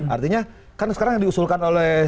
artinya kan sekarang yang diusulkan oleh